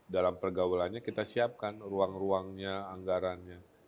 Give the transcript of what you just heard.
dalam pergaulannya kita siapkan ruang ruangnya anggarannya